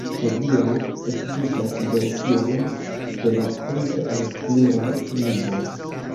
Hodiaŭ ekzistas versiojn de la kanto en pluraj lingvoj.